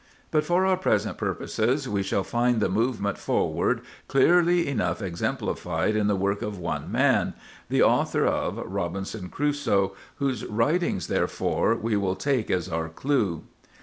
But for our present purposes we shall find the movement forward clearly enough exemplified in the work of one man—the author of "Robinson Crusoe," whose writings, therefore, we will take as our clue.